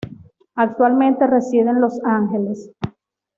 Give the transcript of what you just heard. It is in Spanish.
Actualmente reside en Los Ángeles.